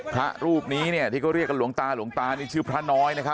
ค่ะรูปนี้เนี่ยที่ก็เรียกอะไรหวงตาหวงตานี่ชื่อพระน้อยนะครับอายุ๖๐กว่านะครับ